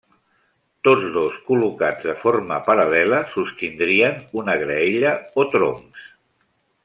Tots dos col·locats de forma paral·lela sostindrien una graella o troncs.